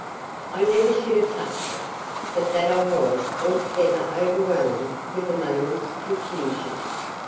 I never should have touched it, but that I was altogether overwhelmed with the moment's confusion.